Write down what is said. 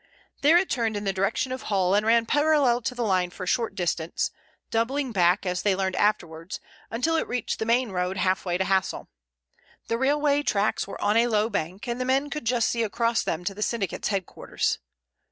There it turned in the direction of Hull and ran parallel to the line for a short distance, doubling back, as they learned afterwards, until it reached the main road half way to Hassle. The railway tracks were on a low bank, and the men could just see across them to the syndicate's headquarters.